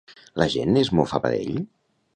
La gent es mofava d'ell?